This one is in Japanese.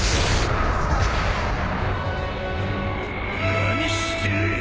何してる！